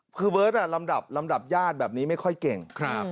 คือเบิร์ตลำดับลำดับญาติแบบนี้ไม่ค่อยเก่ง